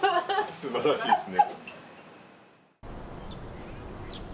素晴らしいですね。